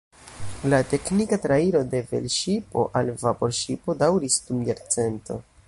La teknika trairo de velŝipo al vaporŝipo daŭris dum jarcento.